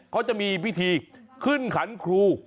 เขาจะมีพิธีขึ้นขันครู